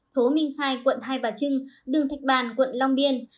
phố minh khai quận hai bà trưng đường thạch bàn quận long biên